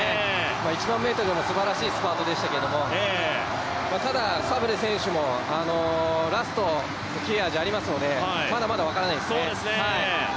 １００００ｍでもすばらしいスパートでしたけどただ、サブレ選手もラストの切れ味ありますのでまだまだ分からないですね。